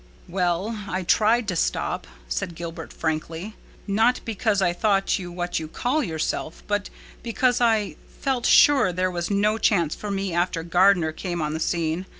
"Well, I tried to stop," said Gilbert frankly, "not because I thought you what you call yourself, but because I felt sure there was no chance for me after Gardner came on the scene.